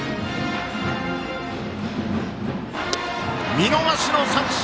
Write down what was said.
見逃しの三振！